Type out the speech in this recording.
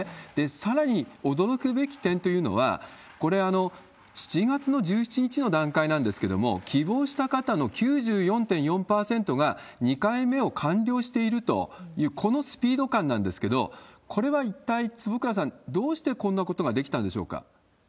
さらに驚くべき点というのは、これ、７月の１７日の段階なんですけども、希望した方の９４．４％が２回目を完了しているという、このスピード感なんですけど、これは一体、坪倉さん、どうしてこんなことができたんでしょうか？